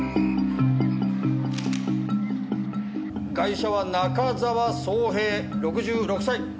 ガイシャは中沢宗平６６歳。